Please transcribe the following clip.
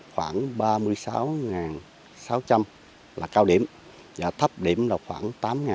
khoảng ba mươi sáu sáu trăm linh là cao điểm và thấp điểm là khoảng tám bốn trăm linh